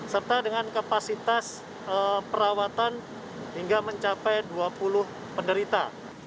serta dengan kapasitas perawatan hingga mencapai dua puluh penderita